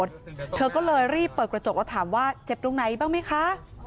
ที่เธอจอดรถเธอก็เลยรีบเปิดกระจกแล้วถามว่าเจ็บตรงไหนบ้างมั้ยคะ